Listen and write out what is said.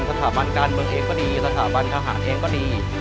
สถาบันการเมืองเองก็ดีสถาบันทหารเองก็ดี